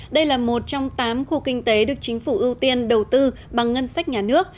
đây là một trong tám khu kinh tế được chính phủ ưu tiên đầu tư bằng ngân sách nhà nước